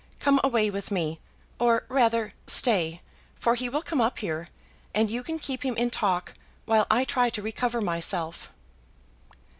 Come away with me; or rather, stay, for he will come up here, and you can keep him in talk while I try to recover myself."